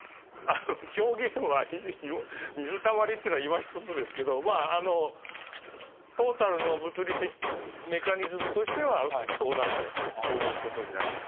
表現は、水たまりっていうのは今ひとつですけど、トータルの物理的メカニズムとしては、そうなるということになります。